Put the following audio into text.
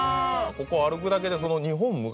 ここ歩くだけで。